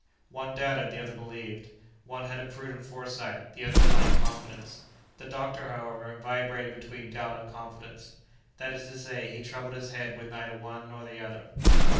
One doubted, the other believed; one had a prudent foresight, the other blind confidence. The doctor, however, vibrated between doubt and confidence; that is to say, he troubled his head with neither one nor the other.